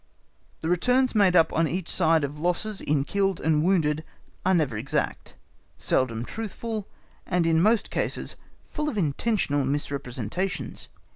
The returns made up on each side of losses in killed and wounded, are never exact, seldom truthful, and in most cases, full of intentional misrepresentations.